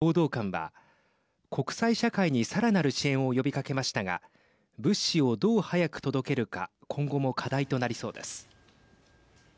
取材に応じたアフガニスタン内務省の報道官は国際社会にさらなる支援を呼びかけましたが物資を、どう早く届けるか今後も課題となりそうです。